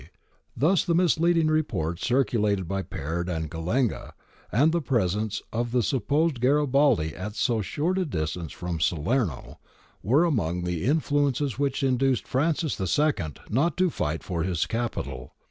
Thus the misleading reports circulated by Peard and Gallenga, and the presence of the supposed Garibaldi at so short a distance from Salerno, were among the influences which induced Francis II not to fight for his capital.